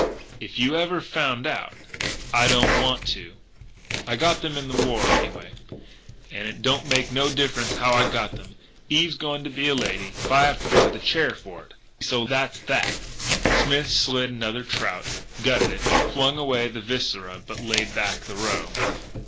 "If you ever found out " "I don't want to. I got them in the war, anyway. And it don't make no difference how I got 'em; Eve's going to be a lady if I go to the chair for it. So that's that." Smith slit another trout, gutted it, flung away the viscera but laid back the roe.